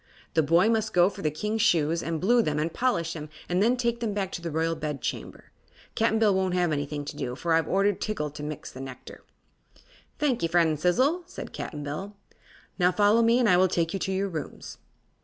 The boy must go for the King's shoes and blue them and polish them and then take them back to the Royal Bedchamber. Cap'n Bill won't have anything to do, for I've ordered Tiggle to mix the nectar." "Thank 'e, friend Sizzle," said Cap'n Bill. "Now follow me and I will take you to your rooms."